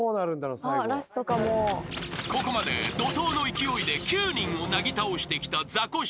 ［ここまで怒濤の勢いで９人をなぎ倒してきたザコシショウ］